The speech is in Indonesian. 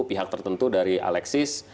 pihak tertentu dari aleksi